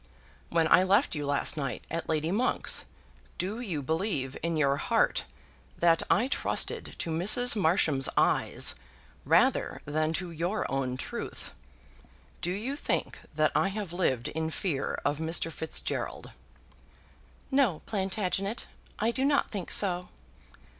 When I left you last night at Lady Monk's, do you believe in your heart that I trusted to Mrs. Marsham's eyes rather than to your own truth? Do you think that I have lived in fear of Mr. Fitzgerald?" "No, Plantagenet; I do not think so."